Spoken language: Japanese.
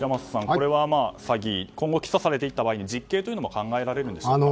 これは詐欺、今後起訴されていった場合実刑もあるんでしょうか。